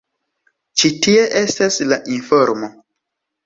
Ĉi tie estas la informo.